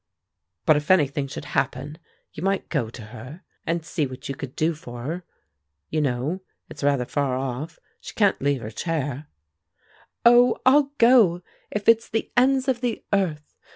"But if anything should happen, you might go to her, and see what you could do for her. You know? It's rather far off; she can't leave her chair " "Oh, I'll go, if it's the ends of the earth!